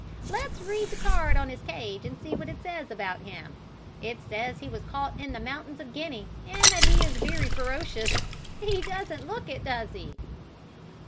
"] "Let's read the card on his cage and see what it says about him. It says he was caught in the mountains of Guinea and that he is very ferocious. He looks it, doesn't he?